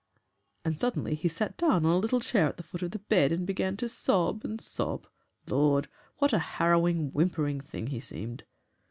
And suddenly he sat down on a little chair at the foot of the bed and began to sob and sob. Lord! what a harrowing, whimpering thing he seemed!